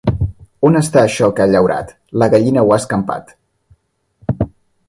On està això que ha llaurat? La gallina ho ha escampat.